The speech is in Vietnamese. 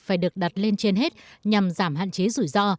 phải được đặt lên trên hết nhằm giảm hạn chế rủi ro